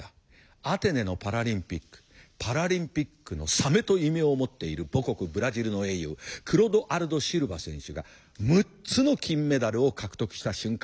アテネのパラリンピック「パラリンピックの鮫」と異名を持っている母国ブラジルの英雄クロドアルド・シルバ選手が６つの金メダルを獲得した瞬間を見た。